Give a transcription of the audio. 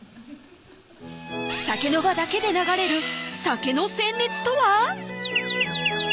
酒の場だけで流れる酒の旋律とは？